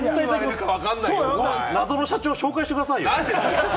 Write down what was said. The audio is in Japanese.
謎の社長を紹介してくださいよ。